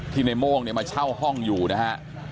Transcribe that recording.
ในโม่งเนี่ยมาเช่าห้องอยู่นะฮะ